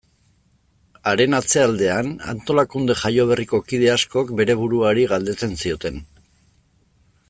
Haren atzealdean, antolakunde jaioberriko kide askok bere buruari galdetzen zioten.